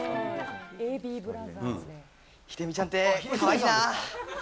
ひでみちゃんって、かわいいな。